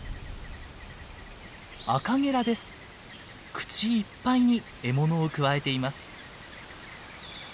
口いっぱいに獲物をくわえています。